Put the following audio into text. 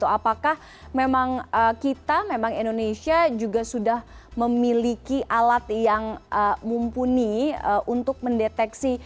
apakah memang kita memang indonesia juga sudah memiliki alat yang mumpuni untuk mendeteksi